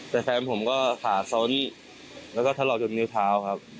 แต่แฟนผมก็ขาส้นแล้วก็ถลอกจนนิ้วเท้าครับ